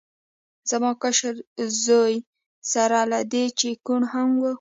زما کشر زوی سره له دې چې کوڼ هم و